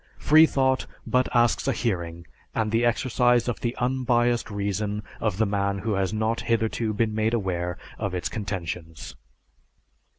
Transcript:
Freethought but asks a hearing and the exercise of the unbiased reason of the man who has not hitherto been made aware of its contentions.